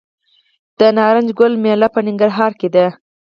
د نارنج ګل میله په ننګرهار کې ده.